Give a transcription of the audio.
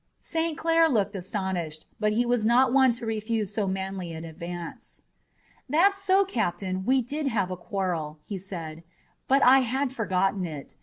St. Clair looked astonished, but he was not one to refuse so manly an advance. "That's so, Captain, we did have a quarrel," he said, "but I had forgotten it.